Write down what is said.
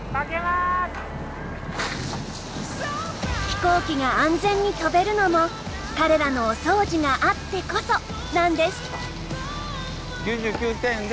飛行機が安全に飛べるのも彼らのお掃除があってこそなんです。